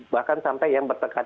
bahkan sampai yang bertekanan